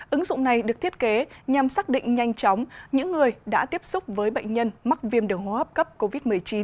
ứng dụng này được thiết kế nhằm xác định nhanh chóng những người đã tiếp xúc với bệnh nhân mắc viêm đường hô hấp cấp covid một mươi chín